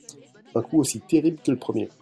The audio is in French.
Un coup aussi terrible que le premier.